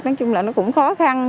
nói chung là nó cũng khó khăn